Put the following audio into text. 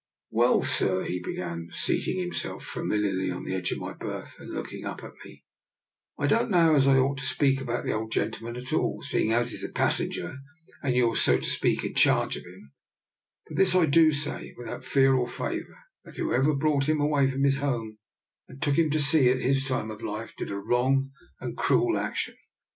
Well, sir," he began, seating himself fa miliarly on the edge of my berth and look ing up at me, " I don't know as how I ought to speak about the old gentleman at all, see ing he's a passenger and you're, so to speak, in charge of him; but this I do say, without fear or favour, that whoever brought him away from his home and took him to sea at his time of life did a wrong and cruel action.